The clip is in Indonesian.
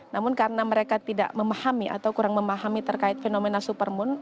namun karena mereka tidak memahami atau kurang memahami terkait fenomena supermoon